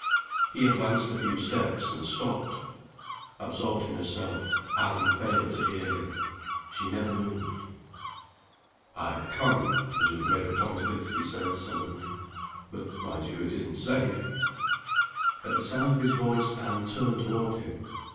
He advanced a few steps, and stopped. Absorbed in herself, Anne failed to hear him. She never moved. "I have come, as you made a point of it," he said, sullenly. "But, mind you, it isn't safe." At the sound of his voice, Anne turned toward him.